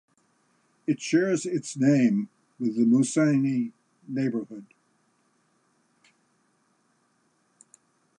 It shares its name with the Mouassine neighbourhood.